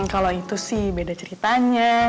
kalau itu sih beda ceritanya